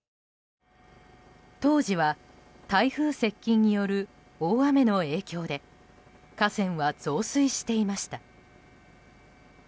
当時は台風接近による大雨の影響で河川は増水していました。